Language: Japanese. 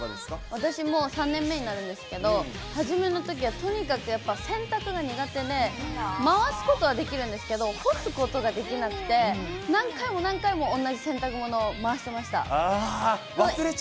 私もう３年目になるんですけれども、初めのときはとにかくやっぱ、洗濯が苦手で、回すことはできるんですけれども、干すことができなくて、何回も何回も同じ洗濯物を回してました。